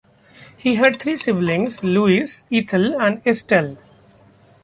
He had three siblings: Louis, Ethel, and Estelle.